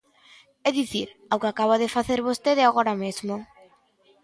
É dicir, ao que acaba de facer vostede agora mesmo.